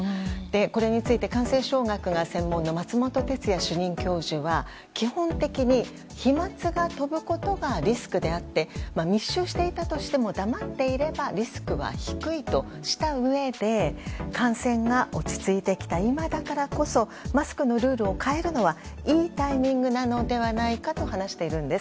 これについて感染症学がご専門の松本哲哉主任教授は基本的に飛沫が飛ぶことがリスクであって密集していたとしても黙っていればリスクは低いとしたうえで感染が落ち着いてきた今だからこそマスクのルールを変えるのはいいタイミングなのではないかと話しているんです。